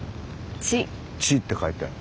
「地」って書いてある。